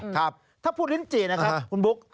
ถ้าพูดลิ้นจีนะครับคุณบุ๊ค